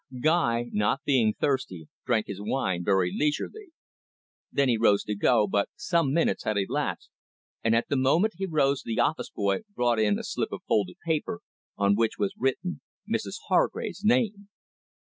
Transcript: Guy, not being thirsty, drank his wine very leisurely. Then he rose to go, but some minutes had elapsed, and at the moment he rose the office boy brought in a slip of folded paper, on which was written Mrs Hargrave's name.